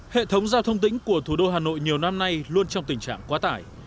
hệ thống giao thông tỉnh của thủ đô hà nội nhiều năm nay luôn trong tình trạng quá tải